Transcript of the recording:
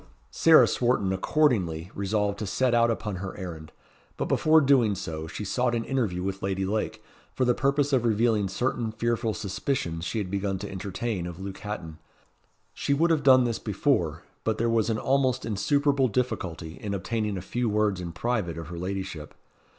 Sarah Swarton accordingly resolved to set out upon her errand; but before doing so, she sought an interview with Lady Lake, for the purpose of revealing certain fearful suspicions she had begun to entertain of Luke Hatton. She would have done this before, but there was almost insuperable difficulty in obtaining a few words in private of her ladyship.